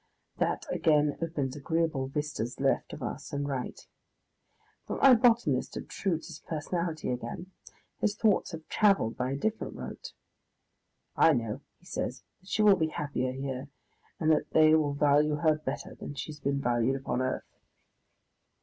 That again opens agreeable vistas left of us and right. But my botanist obtrudes his personality again. His thoughts have travelled by a different route. "I know," he says, "that she will be happier here, and that they will value her better than she has been valued upon earth."